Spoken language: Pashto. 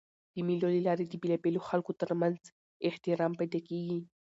د مېلو له لاري د بېلابېلو خلکو تر منځ احترام پیدا کېږي.